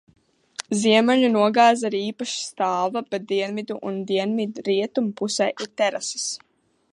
Ziemeļu nogāze ir īpaši stāva, bet dienvidu un dienvidrietumu pusē ir terases.